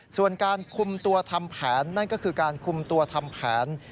ส่วนการคุมตัวทำแผนนั่นก็คือการคุมตัวทำแผน